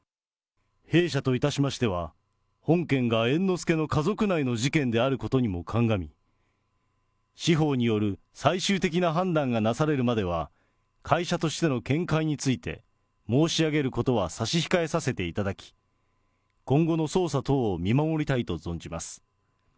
弊社といたしましては、本件が猿之助の家族内の事件であることにもかんがみ、司法による最終的な判断がなされるまでは、会社としての見解について、申し上げることは差し控えさせていただき、今後の捜査等を見守りたいと存じます。